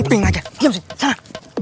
mumpin aja diam sini sana